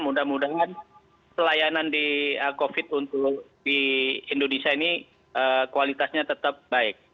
mudah mudahan pelayanan di covid untuk di indonesia ini kualitasnya tetap baik